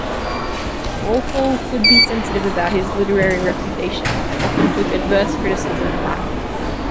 Walpole could be sensitive about his literary reputation and often took adverse criticism badly.